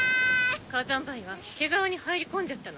火山灰が毛皮に入りこんじゃったのね。